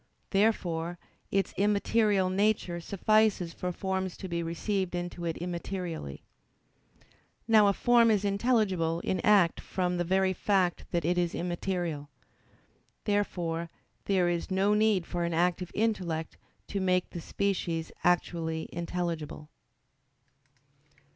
Therefore its immaterial nature suffices for forms to be received into it immaterially. Now a form is intelligible in act from the very fact that it is immaterial. Therefore there is no need for an active intellect to make the species actually intelligible.